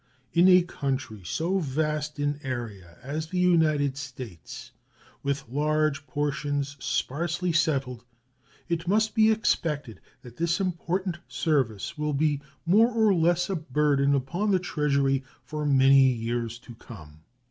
In a country so vast in area as the United States, with large portions sparsely settled, it must be expected that this important service will be more or less a burden upon the Treasury for many years to come.